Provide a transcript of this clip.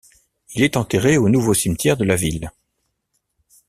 Il est enterré au Nouveau cimetière de la ville.